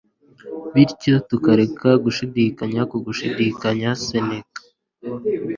bityo tukareka gushidikanya ku gushidikanya - seneka